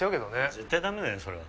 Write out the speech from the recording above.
絶対ダメだよそれは。